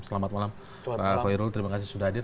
selamat malam pak khoirul terima kasih sudah hadir